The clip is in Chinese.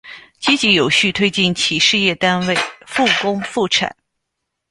积极有序推进企事业单位复工复产